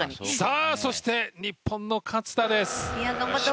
そして、日本の勝田です。